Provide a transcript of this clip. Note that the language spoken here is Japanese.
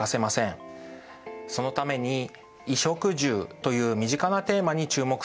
そのために「衣食住」という身近なテーマに注目するのはとても効果的です。